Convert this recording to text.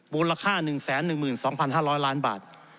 มูลค่า๑๑๒๕๐๐ล้านบาท